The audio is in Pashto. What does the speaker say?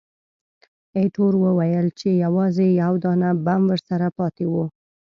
ایټور وویل چې، یوازې یو دانه بم ورسره پاتې وو.